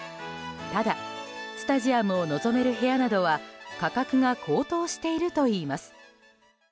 ただスタジアムを望める部屋などは価格が高騰しているといいます。